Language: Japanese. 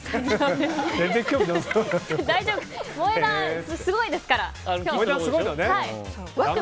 萌え断、すごいですから。